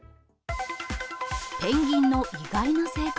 ペンギンの意外な性格。